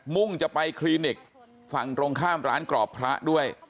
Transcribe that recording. ่งจะไปคลินิกฝั่งตรงข้ามร้านกรอบพระด้วย